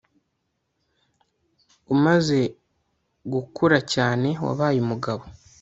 umaze gukuracyane wabaye umugabo